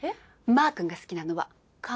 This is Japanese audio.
マー君が好きなのは関東風よ。